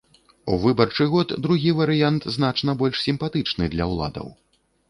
У выбарчы год другі варыянт значна больш сімпатычны для ўладаў.